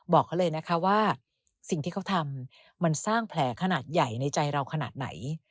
บอกเขาเลยนะคะว่าสิ่งที่เขาทำมันสร้างแผลขนาดใหญ่ในใจเราขนาดไหน